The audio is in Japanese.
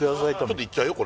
ちょっといっちゃうよ